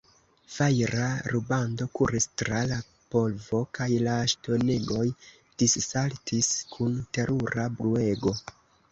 Fajra rubando kuris tra la polvo, kaj la ŝtonegoj dissaltis kun terura bruego.